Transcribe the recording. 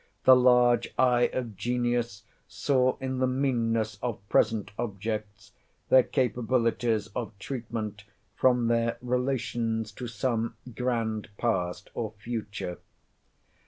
The large eye of genius saw in the meanness of present objects their capabilities of treatment from their relations to some grand Past or Future.